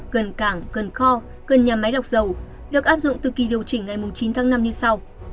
gần cảng cần kho gần nhà máy lọc dầu được áp dụng từ kỳ điều chỉnh ngày chín tháng năm như sau